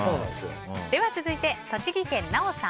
続いて、栃木県の方。